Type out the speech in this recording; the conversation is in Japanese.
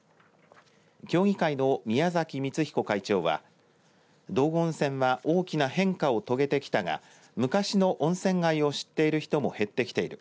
協議会の宮崎光彦会長は道後温泉は大きな変化を遂げてきたが昔の温泉街を知っている人も減ってきている。